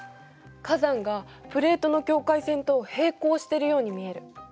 火山がプレートの境界線と平行してるように見える。